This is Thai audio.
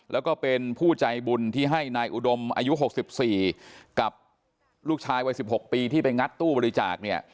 แล้วก็เป็นผู้ใจบุญที่ให้ในอุดมอายุหกสิบสี่กับลูกชายวัยสิบหกปีที่ไปงัดตู้บริจาคเนี้ย